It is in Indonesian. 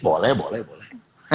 boleh boleh boleh